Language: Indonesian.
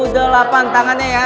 delapan tangannya ya